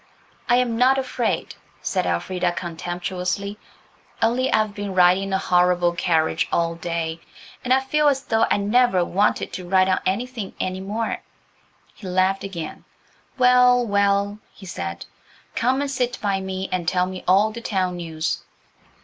"I'm not afraid," said Elfrida contemptuously; "only I've been riding in a horrible carriage all day, and I feel as though I never wanted to ride on anything any more." He laughed again. "Well, well," he said, "come and sit by me and tell me all the town news."